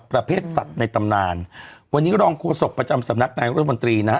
ประเภทสัตว์ในตำนานวันนี้รองโฆษกประจำสำนักนายรัฐมนตรีนะฮะ